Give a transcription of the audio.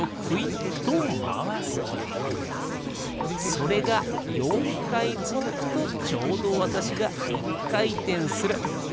それが４かいつづくとちょうどわたしが１かいてんする。